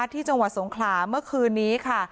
ที่จังหวัดสงขลาเมื่อคืนนี้ค่ะ